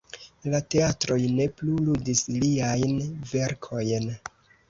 La teatroj ne plu ludis liajn verkojn.